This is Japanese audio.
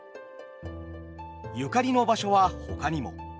ゆかりの場所はほかにも。